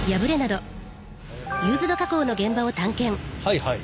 はいはい。